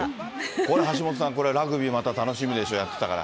これ、橋下さん、ラグビーまた楽しみでしょ、やってたから。